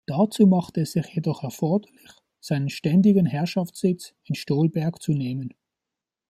Dazu machte es sich jedoch erforderlich, seinen ständigen Herrschaftssitz in Stolberg zu nehmen.